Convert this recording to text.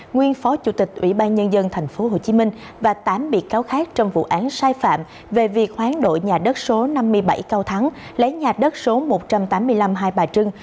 trước đó chủ tịch ủy ban nhân dân thành phố hồ chí minh và tám bị cáo khác trong vụ án sai phạm về việc hoán đội nhà đất số năm mươi bảy cao thắng lấy nhà đất số một trăm tám mươi năm hai bà trưng